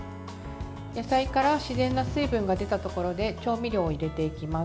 野菜から自然な水分が出たところで調味料を入れていきます。